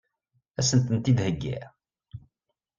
Ad sent-tent-id-heggiɣ?